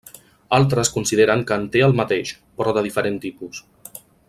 Altres consideren que en té el mateix, però de diferent tipus.